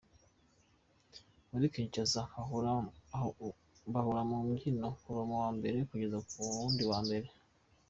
Muri Kinshasa bahora mu byishimo kuva ku wa Mbere kugeza ku wundi wa Mbere.